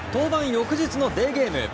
翌日のデーゲーム。